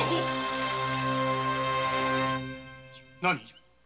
何？